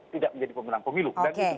tidak menjadi pemenang pemilu